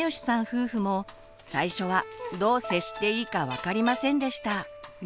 夫婦も最初はどう接していいか分かりませんでした。